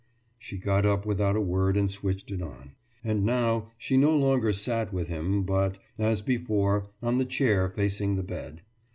« She got up without a word and switched it on. And now she no longer sat with him but, as before, on the chair facing the bed.